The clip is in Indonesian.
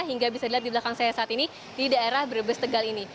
hingga bisa dilihat di belakang saya saat ini di daerah brebes tegal ini